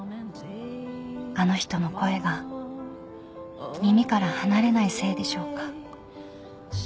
［あの人の声が耳から離れないせいでしょうか？］